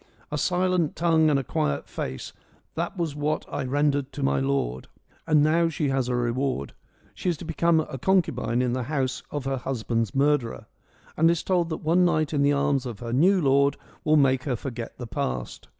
A silent tongue and a quiet face — that was what I rendered to my lord.' And now she has her reward : she is to become a concubine in the house of her husband's murderer, and is told that one night in the arms of her new lord will make her forget the past.